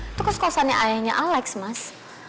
itu kos kosannya ayahnya alex mas